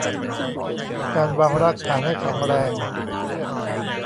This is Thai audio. การวางรากฐานให้แข็งแรง